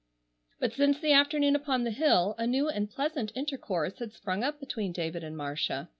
But since the afternoon upon the hill a new and pleasant intercourse had sprung up between David and Marcia.